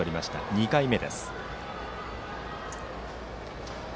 ２回目です。